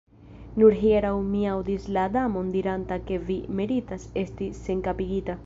Nur hieraŭ mi aŭdis la Damon diranta ke vi meritas esti senkapigita.